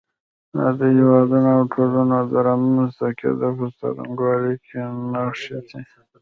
دا د هېوادونو او ټولنو د رامنځته کېدو په څرنګوالي کې نغښتی.